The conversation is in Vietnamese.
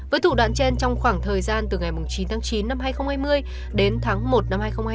với thủ đoạn trên trong khoảng thời gian từ ngày chín tháng chín năm hai nghìn hai mươi đến tháng một năm hai nghìn hai mươi